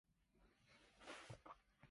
苔痕上階綠，草色入簾青